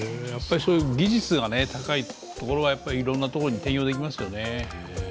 技術が高いところはいろんなところに転用できますよね。